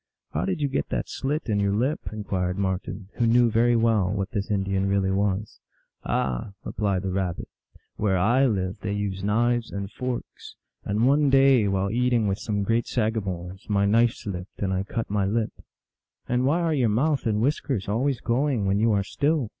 " How did you get that slit in your lip ?" inquired Marten, who knew very well what this Indian really was. " Ah !" replied the Rabbit, " where / live they use knives and forks. And one day, while eating with some great sagamores, my knife slipped, and I cut my HP. "And why are your mouth and whiskers always going when you are still